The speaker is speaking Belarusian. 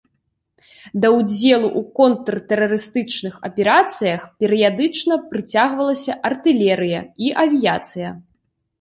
Да ўдзелу ў контртэрарыстычных аперацыях перыядычна прыцягвалася артылерыя і авіяцыя.